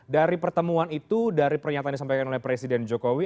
dari pertemuan itu dari pernyataan disampaikan oleh presiden jokowi